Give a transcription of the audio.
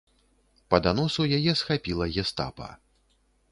Па даносу яе схапіла гестапа.